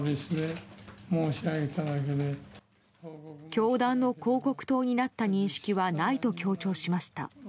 教団の広告塔になった認識はないと強調しました。